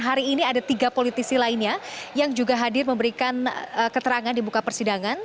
hari ini ada tiga politisi lainnya yang juga hadir memberikan keterangan di buka persidangan